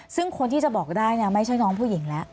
ซึ่งคนที่จะบอกได้ไม่ใช่น้องผู้หญิงแล้ว